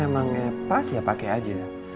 emangnya pas ya pakai aja